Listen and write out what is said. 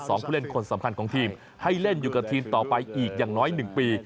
ผู้เล่นคนสำคัญของทีมให้เล่นอยู่กับทีมต่อไปอีกอย่างน้อยหนึ่งปี